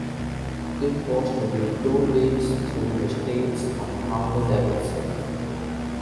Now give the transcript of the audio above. It was to be two weeks through the States on a Harley-Davidson.